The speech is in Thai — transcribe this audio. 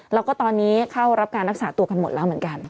แล้วก็ตอนนี้เข้ารับการรักษาตัวกันหมดแล้วเหมือนกัน